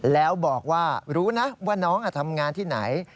แล้วบอกว่ารู้นะว่าน้องทำงานที่ไหน